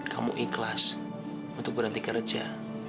kamu ikhlas untuk berhenti kerja